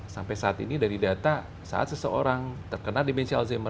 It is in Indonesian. sampai saat ini dari data saat seseorang terkena demensi alzheimer